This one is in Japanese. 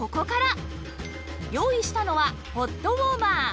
用意したのはホットウォーマー